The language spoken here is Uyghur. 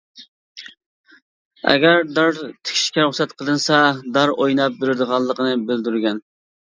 ئەگەر دار تىكىشكە رۇخسەت قىلىنسا، دار ئويناپ بېرىدىغانلىقىنى بىلدۈرگەن.